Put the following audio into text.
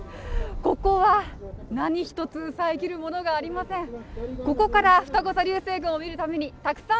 ここは何一つ遮るものがありません。